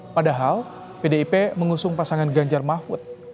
padahal pdip mengusung pasangan ganjar mahfud